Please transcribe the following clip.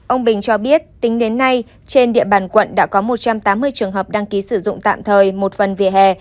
ông bình cho biết tính đến nay trên địa bàn quận đã có một trăm tám mươi trường hợp đăng ký sử dụng tạm thời một phần vỉa hè